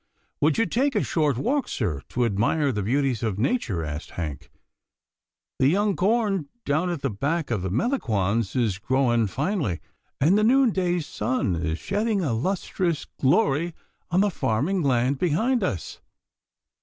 " Would you take a short walk, sir, to admire the beauties of nature?" asked Hank. "The young corn down at the back of the Melangons is grow ing finely, and the noonday sun is shedding a lustrous glory on the farming land behind us."